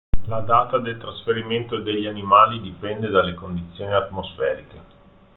La data del trasferimento degli animali dipende dalle condizioni atmosferiche.